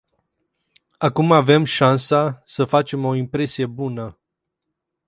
Acum avem șansa să facem o impresie bună.